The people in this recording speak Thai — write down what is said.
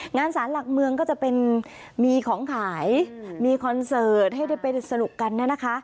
สารหลักเมืองก็จะเป็นมีของขายมีคอนเสิร์ตให้ได้ไปสนุกกันนะคะ